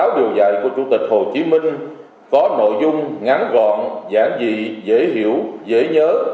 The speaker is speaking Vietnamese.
sáu điều dạy của chủ tịch hồ chí minh có nội dung ngắn gọn giảng dị dễ hiểu dễ nhớ